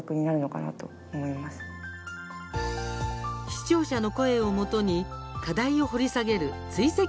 視聴者の声をもとに課題を掘り下げる「追跡！